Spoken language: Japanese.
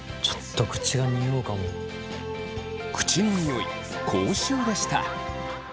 口のニオイ口臭でした。